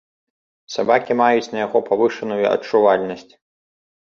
Сабакі маюць на яго павышаную адчувальнасць.